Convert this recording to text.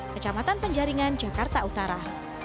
kecamatan penjaringan jakarta utara